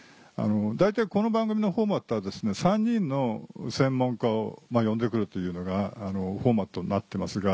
大体この番組のフォーマットは３人の専門家を呼んでくるというのがフォーマットになってますが。